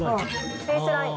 フェースライン。